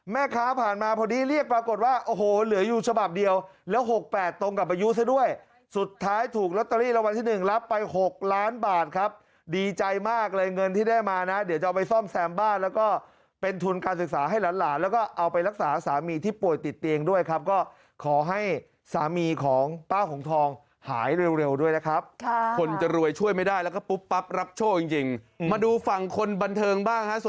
แม่ค้าผ่านมาพอดีเรียกปรากฏว่าโอ้โหเหลืออยู่ฉบับเดียวแล้ว๖๘ตรงกับอายุซะด้วยสุดท้ายถูกล็อตเตอรี่ระวังที่๑รับไป๖ล้านบาทครับดีใจมากเลยเงินที่ได้มานะเดี๋ยวจะเอาไปซ่อมแซมบ้านแล้วก็เป็นทุนการศึกษาให้หลานแล้วก็เอาไปรักษาสามีที่ป่วยติดเตียงด้วยครับก็ขอให้สามีของป้าหงธอง